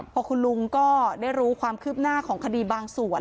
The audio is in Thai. พอคุณลุงก็ได้รู้ความคืบหน้าของคดีบางส่วน